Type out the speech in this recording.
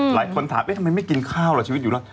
หลายคนถามเอ๊ะทำไมไม่กินข้าวล่ะชีวิตอยู่แล้ว